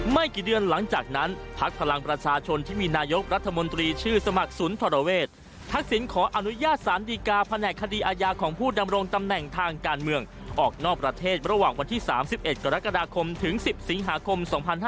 ไม่กี่เดือนหลังจากนั้นพักพลังประชาชนที่มีนายกรัฐมนตรีชื่อสมัครศูนย์ธรเวททักษิณขออนุญาตสารดีกาแผนกคดีอาญาของผู้ดำรงตำแหน่งทางการเมืองออกนอกประเทศระหว่างวันที่๓๑กรกฎาคมถึง๑๐สิงหาคม๒๕๕๙